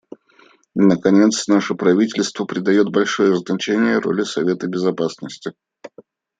Наконец, наше правительство придает большое значение роли Совета Безопасности.